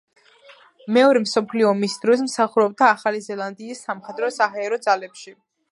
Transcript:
მეორე მსოფლიო ომის დროს მსახურობდა ახალი ზელანდიის სამხედრო-საჰაერო ძალებში.